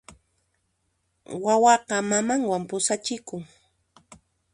Wawaqa mamanwan pusachikun.